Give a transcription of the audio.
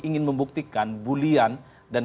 ingin membuktikan bullian dan